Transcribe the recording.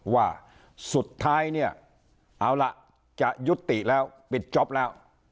ว่าสุดท้ายเนี่ยเอาล่ะจะยุติแล้วปิดจ๊อปแล้ว